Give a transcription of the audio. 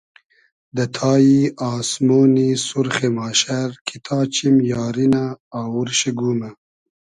دۂ تای آسمۉنی سورخی ماشئر کی تا چیم یاری نۂ آوور شی گومۂ